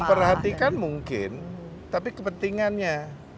memperhatikan mungkin tapi kepentingannya